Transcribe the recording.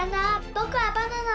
ぼくはバナナ。